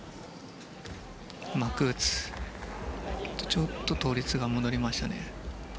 ちょっと倒立が戻りましたね。